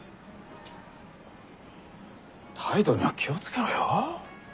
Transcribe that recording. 態度には気を付けろよ。